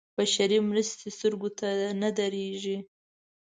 بشري مرستې سترګو ته نه درېږي.